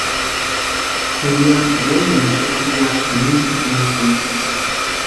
Juliani wénaxati ya xanini pʼikuntʼani.